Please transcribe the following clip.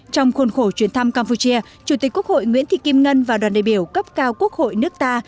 trong khuôn khổ chuyến thăm campuchia chủ tịch quốc hội nguyễn thị kim ngân và đoàn đại biểu cấp cao quốc hội nước ta